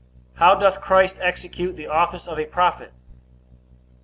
How doth Christ execute the office of a prophet?